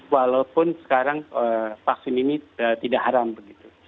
walaupun sekarang vaksin ini tidak haram begitu